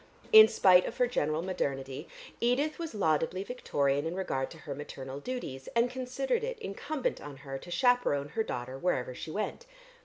In spite of her general modernity, Edith was laudably Victorian in regard to her maternal duties, and considered it incumbent on her to chaperone her daughter wherever she went.